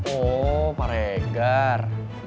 oh pak regar